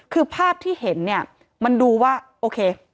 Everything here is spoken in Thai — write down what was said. คือภาพที่เห็นเนี่ยมันดูว่าโอเค